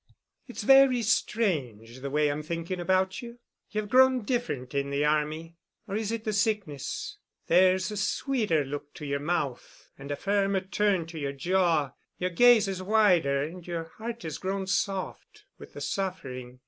"It's very strange, the way I'm thinking about you. You've grown different in the army—or is it the sickness? There's a sweeter look to your mouth, and a firmer turn to your jaw. Your gaze is wider and your heart has grown soft, with the suffering.